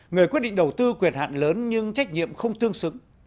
người quyết định đầu tư quyền hạn lớn nhưng trách nhiệm không tương xứng